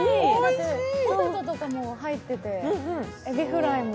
ポテトとかも入ってて、エビフライも。